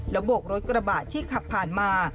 โบกรถกระบะที่ขับผ่านมา